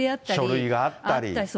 書類があったり。